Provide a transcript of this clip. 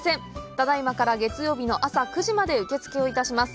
ただいまから月曜日のあさ９時まで受付を致します